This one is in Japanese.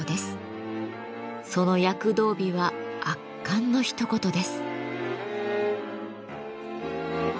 その躍動美は圧巻のひと言です。